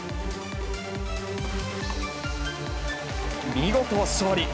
見事勝利。